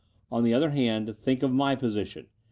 On the other hand, think of my position.